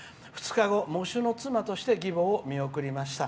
２日後、喪主の妻として義母を見送りました。